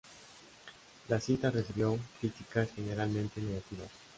La cinta recibió críticas generalmente negativas.